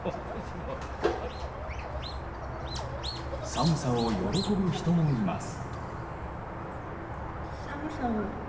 寒さを喜ぶ人もいます。